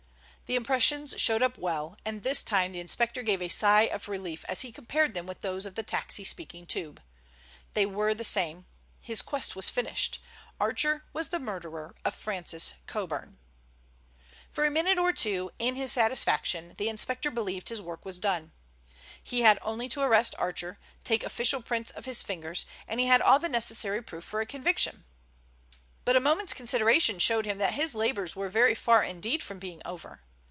The impressions showed up well, and this time the inspector gave a sigh of relief as he compared them with those of the taxi speaking tube. They were the same. His quest was finished. Archer was the murderer of Francis Coburn. For a minute or two, in his satisfaction, the inspector believed his work was done. He had only to arrest Archer, take official prints of his fingers, and he had all the necessary proof for a conviction. But a moment's consideration showed him that his labors were very far indeed from being over.